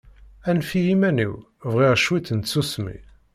Anef-iyi iman-iw, bɣiɣ ciṭ n tsusmi